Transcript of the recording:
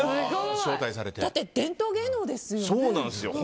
だって伝統芸能ですよね。